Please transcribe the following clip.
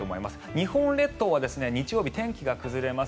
日本列島は日曜日、天気が崩れます。